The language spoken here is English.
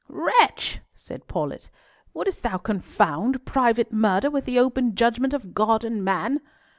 "Wretch," said Paulett, "wouldst thou confound private murder with the open judgment of God and man?"